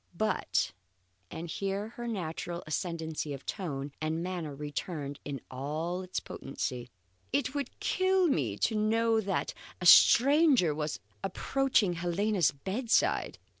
But" and here her natural ascendancy of tone and manner returned in all its potency, "it would kill me to know that a stranger was approaching Helena's bedside.